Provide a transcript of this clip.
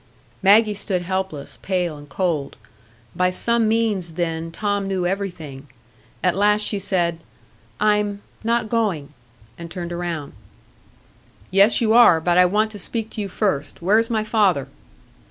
Maggie stood helpless, pale and cold. By some means, then, Tom knew everything. At last she said, "I'm not going," and turned round. "Yes, you are; but I want to speak to you first. Where is my father?"